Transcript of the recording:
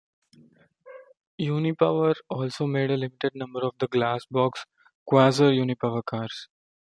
Unipower also made a limited number of the "glass box" Quasar-Unipower cars.